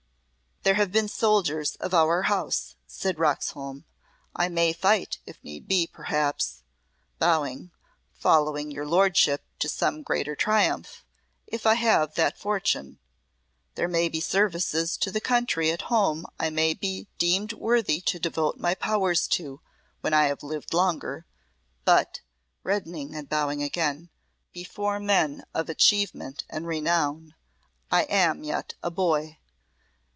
"There have been soldiers of our house," said Roxholm. "I may fight if need be, perhaps," bowing, "following your lordship to some greater triumph, if I have that fortune. There may be services to the country at home I may be deemed worthy to devote my powers to when I have lived longer. But," reddening and bowing again, "before men of achievement and renown, I am yet a boy."